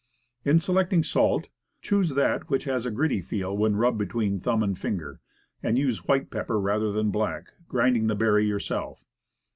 In selecting salt, choose that which has a gritty feel when rubbed between the thumb and finger, and use white pepper rather than black, grinding the berry yourself.